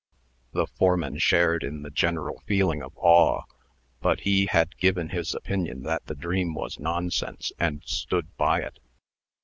The foreman shared in the general feeling of awe; but he had given his opinion that the dream was nonsense, and stood by it.